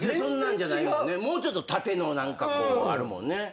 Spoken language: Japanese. もうちょっと縦の何かこうあるもんね。